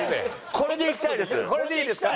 これでいいですか？